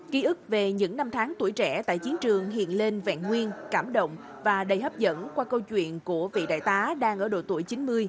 ký ức về những năm tháng tuổi trẻ tại chiến trường hiện lên vẹn nguyên cảm động và đầy hấp dẫn qua câu chuyện của vị đại tá đang ở độ tuổi chín mươi